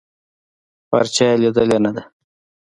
پارچه يې ليدلې نده.